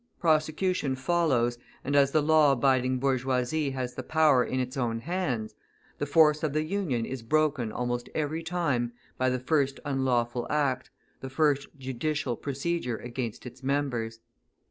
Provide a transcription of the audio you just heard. Prosecution follows, and as the law abiding bourgeoisie has the power in its own hands, the force of the Union is broken almost every time by the first unlawful act, the first judicial procedure against its members.